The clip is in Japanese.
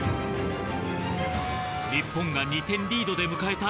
日本が２点リードで迎えた